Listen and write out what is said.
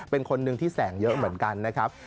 เป็นคนหนึ่งที่แสงเยอะเหมือนกันนะครับ